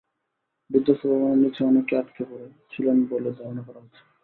বিধ্বস্ত ভবনের নিচে অনেকে আটকে পড়ে ছিলেন বলে ধারণা করা হচ্ছে।